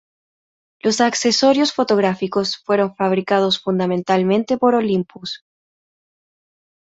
Los accesorios fotográficos fueron fabricados fundamentalmente por Olympus.